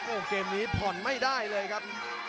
โอ้โหเกมนี้ผ่อนไม่ได้เลยครับ